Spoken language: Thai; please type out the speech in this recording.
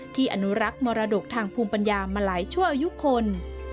อนุรักษ์มรดกทางภูมิปัญญามาหลายชั่วอายุคน